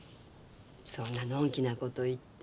そんなのんきなこと言って。